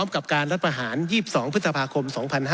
กับการรัฐประหาร๒๒พฤษภาคม๒๕๕๙